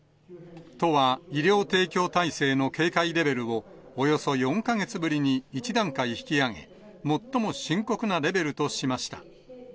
都は医療提供体制の警戒レベルを、およそ４か月ぶりに１段階引き上げ、最も深刻なレベルとしました。